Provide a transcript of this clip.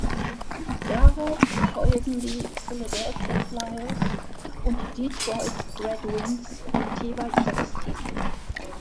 Darauf folgen die Philadelphia Flyers und die Detroit Red Wings mit jeweils sechs Titeln.